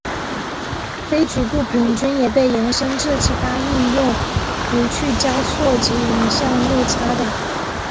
非局部平均也被延伸至其他应用如去交错及影像内插等。